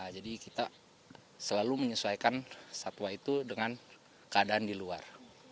jadi kita selalu menyesuaikan satwa itu dengan keadaan di luar